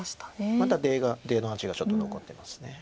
まだ出の味がちょっと残ってます。